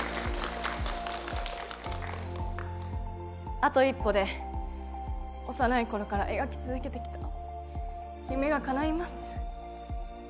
あと一歩で幼い頃から描き続けてきた夢がかないます。